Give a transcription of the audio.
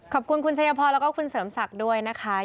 ขอบคุณคุณชัยพรแล้วก็คุณเสริมศักดิ์ด้วยนะคะ